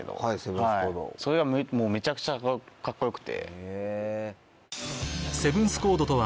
それがめちゃくちゃカッコ良くて。